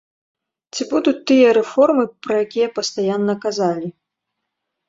Ці будуць тыя рэформы, пра якія пастаянна казалі?